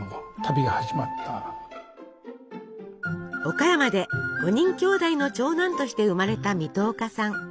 岡山で５人きょうだいの長男として生まれた水戸岡さん。